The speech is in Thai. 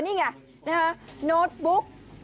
นี่ไงโน้ตบุ๊ก